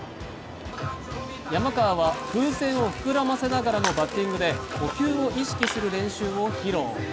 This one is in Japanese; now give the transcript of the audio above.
山川は、風船を膨らませながらのバッティングで呼吸を意識する練習を披露。